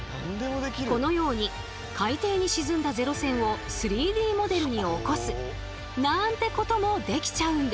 このように海底に沈んだ零戦を３Ｄモデルに起こすなんてこともできちゃうんです。